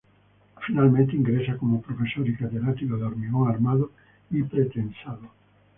Finalmente, ingresa como Profesor y Catedrático de Hormigón Armado y Pretensado.